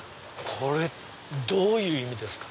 これどういう意味ですか？